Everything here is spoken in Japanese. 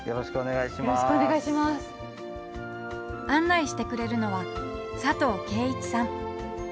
案内してくれるのは佐藤圭一さん。